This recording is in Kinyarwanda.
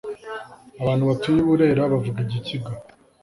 Abantu batuye iburera bavuga igikiga